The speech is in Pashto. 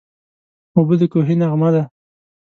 اوبه د کوهي نغمه ده.